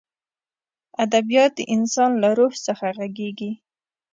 ادبیات د انسان له روح څخه غږېږي.